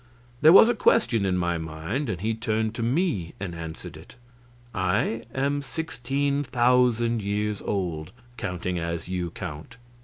There was a question in my mind, and he turned to me and answered it, "I am sixteen thousand years old counting as you count."